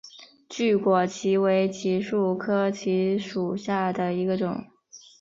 巨果槭为槭树科槭属下的一个种。